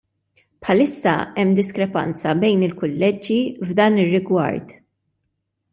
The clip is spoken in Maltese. Bħalissa hemm diskrepanza bejn il-kulleġġi f'dan ir-rigward.